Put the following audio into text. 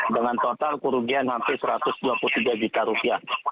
dengan total kerugian hampir satu ratus dua puluh tiga juta rupiah